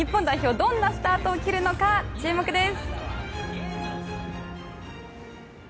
どんなスタートを切るのか注目です。